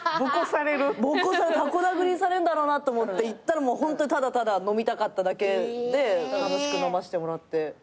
タコ殴りにされんだろうなと思って行ったらホントただただ飲みたかっただけで楽しく飲ませてもらって。